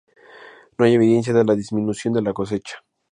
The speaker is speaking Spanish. No hay evidencia de la disminución de la cosecha.